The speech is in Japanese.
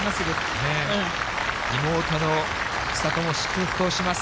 妹の千怜も祝福をします。